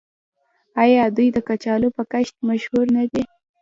آیا دوی د کچالو په کښت مشهور نه دي؟